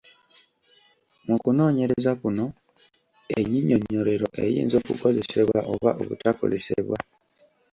Mu kunooneyereza kuno ennyinyonnyolero eyinza okukozesebwa oba obutakozesebwa